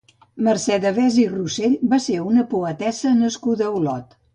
Mercè Devesa i Rossell va ser una poetessa nascuda a Olot.